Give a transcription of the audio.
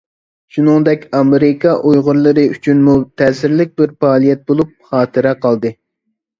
شۇنىڭدەك ئامېرىكا ئۇيغۇرلىرى ئۈچۈنمۇ تەسىرلىك بىر پائالىيەت بولۇپ، خاتىرە قالدى.